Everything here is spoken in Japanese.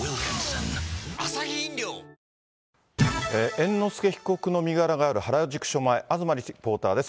猿之助被告の身柄がある原宿署前、東リポーターです。